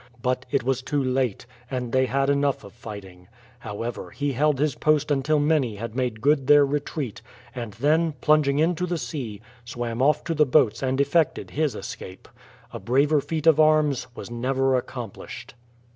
But it was too late; and they had enough of fighting. However, he held his post until many had made good their retreat, and then, plunging into the sea, swam off to the boats and effected his escape. A braver feat of arms was never accomplished.